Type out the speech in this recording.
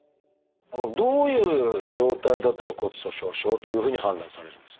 どういう状態だったら骨粗しょう症というふうに判断されるんですか？